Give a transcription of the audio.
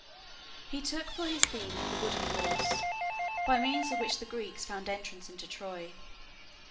He took for his theme the "Wooden Horse," by means of which the Greeks found entrance into Troy.